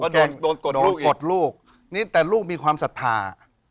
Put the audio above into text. แล้วอาจจะกดลูกแต่ลูกมีความสัทธา